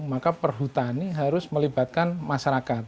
maka perhutani harus melibatkan masyarakat